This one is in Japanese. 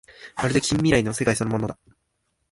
まるで近未来の世界そのものだ